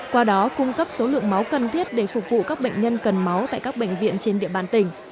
qua đó cung cấp số lượng máu cần thiết để phục vụ các bệnh nhân cần máu tại các bệnh viện trên địa bàn tỉnh